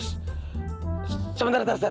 bener bener kita nya apaan